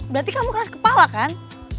berarti kamu keras kepala kan